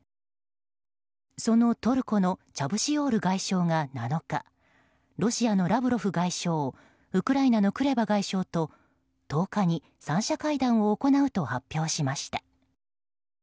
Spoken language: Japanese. そのトルコのチャブシオール外相が７日ロシアのラブロフ外相ウクライナのクレバ外相と１０日に３者会談を行うと発表しました。